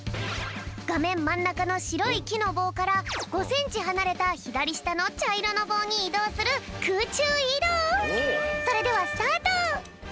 がめんまんなかのしろいきのぼうから５センチはなれたひだりしたのちゃいろのぼうにいどうするくうちゅういどう！